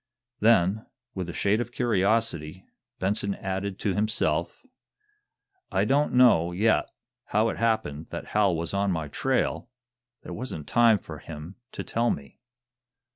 Then, with a shade of curiosity, Benson added to himself: "I don't know, yet, how it happened that Hal was on my trail. There wasn't time for him to tell me."